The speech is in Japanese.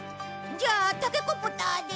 じゃあタケコプターで。